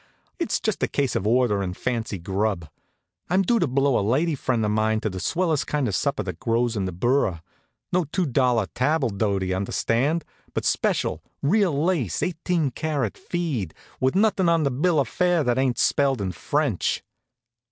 "It's just a case of orderin' fancy grub. I'm due to blow a lady friend of mine to the swellest kind of a supper that grows in the borough; no two dollar tabble doty, understand; but a special, real lace, eighteen carat feed, with nothing on the bill of fare that ain't spelled in French."